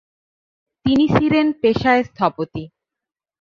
তিনি ছিরেন পেশায় স্থপতি।